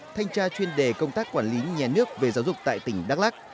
thanh tra chuyên đề công tác quản lý nhà nước về giáo dục tại tỉnh đắk lắc